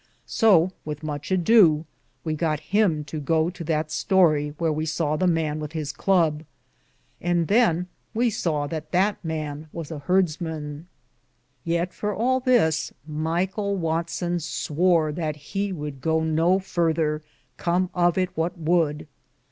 So, with muche adow, we gott him to go to that storie wheare we sawe the man with his club ; and than we saw that that VISIT TO A MONASTERY. 21 man was a heardman. Yeate, for all this, Myghell Watson swore that he would goo no farther, com of it what would.